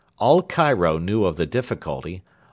All Cairo knew of the difficulty.